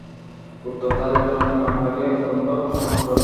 উত্তর থাইল্যান্ডের অনেক মানুষ তাঁকে অত্যন্ত সন্মান করে।